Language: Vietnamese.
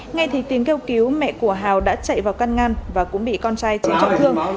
ngay thì tiếng kêu cứu mẹ của hào đã chạy vào căn ngăn và cũng bị con trai chém trọng thương